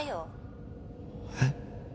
えっ？